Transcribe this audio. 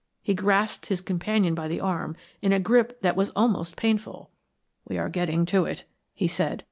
He grasped his companion by the arm in a grip that was almost painful. "We are getting to it," he said.